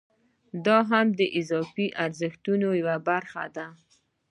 دا هم د هغه اضافي ارزښت یوه برخه ده